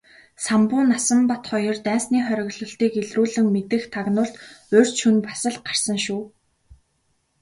Самбуу Насанбат хоёр дайсны хориглолтыг илрүүлэн мэдэх тагнуулд урьд шөнө бас л гарсан шүү.